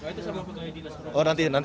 itu sama pegawai dinas